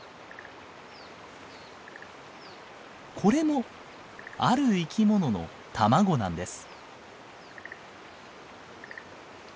これもある生き物の卵なんです。